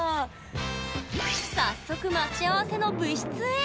早速、待ち合わせの部室へ。